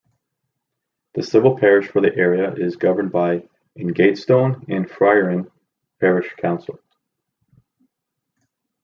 The civil parish for the area is governed by Ingatestone and Fryerning Parish Council.